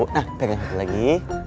nah pegang lagi